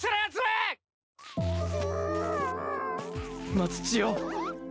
松千代。